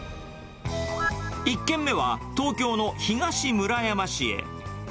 １軒目は、東京の東村山市へ。